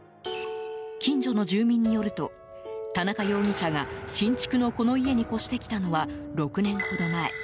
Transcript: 近所の住民によると田中容疑者が新築のこの家に越してきたのは６年ほど前。